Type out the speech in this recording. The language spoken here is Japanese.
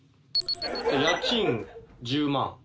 家賃１０万。